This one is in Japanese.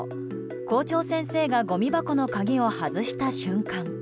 校長先生がごみ箱の鍵を外した瞬間